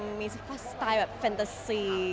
สไตล์แฟนเกสีอะไรประมาณนี้